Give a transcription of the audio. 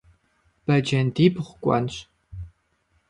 Бэджэндибгъу кӀуэнщ.